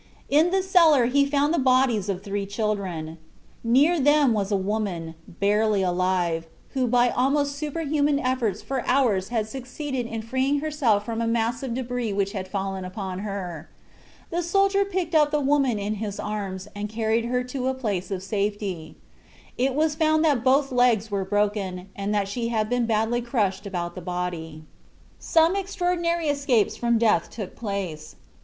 In the cellar he found the bodies of three children. Near them was a woman, barely alive, who by almost superhuman efforts for hours had succeeded in freeing herself from a mass of debris which had fallen upon her. The soldier picked the woman up in his arms and carried her to a place of safety. It was found that both legs were broken and that she had been badly crushed about the body. Some extraordinary escapes from death took place.